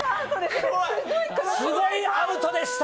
すごいアウトでした！